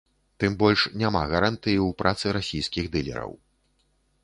Тым больш няма гарантыі ў працы расійскіх дылераў.